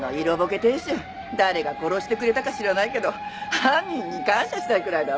亭主誰が殺してくれたか知らないけど犯人に感謝したいくらいだわ。